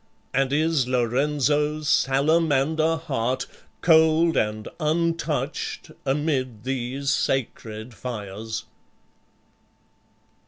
And is Lorenzo's salamander heart Cold and untouched amid these sacred fires?"